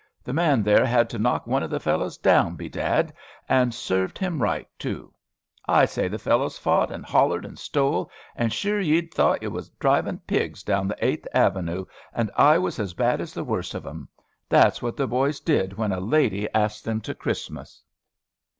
The man there had to knock one of the fellows down, bedad, and served him right, too. I say, the fellows fought, and hollared, and stole, and sure ye 'd thought ye was driving pigs down the Eighth Avenue, and I was as bad as the worst of 'em. That's what the boys did when a lady asked 'em to Christmas."